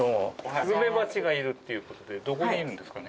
スズメバチがいるっていうことで、どこにいるんですかね。